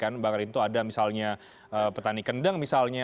mbak karinto ada misalnya petani kendang misalnya